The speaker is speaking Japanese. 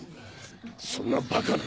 そんなバカな。